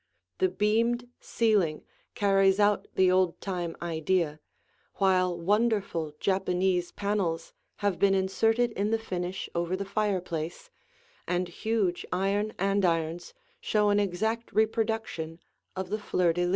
The beamed ceiling carries out the old time idea, while wonderful Japanese panels have been inserted in the finish over the fireplace, and huge iron andirons show an exact reproduction of the fleur de lis.